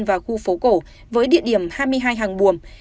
và khu phố cổ với địa điểm hai mươi hai hàng buồm